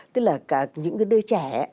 tức là cả những đứa trẻ